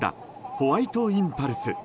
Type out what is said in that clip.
ホワイトインパルス。